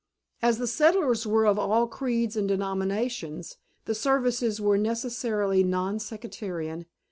As the settlers were of all creeds and denominations the services were necessarily non sectarian.